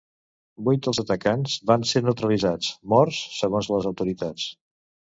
Vuit dels atacants van ser ‘neutralitzats’ —morts—, segons les autoritats.